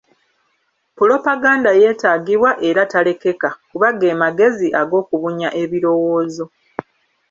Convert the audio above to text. Pulopaganda yeetaagibwa era talekeka, kuba ge magezi ag'okubunya ebirowoozo.